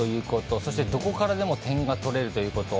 そして、どこからでも点が取れるということ。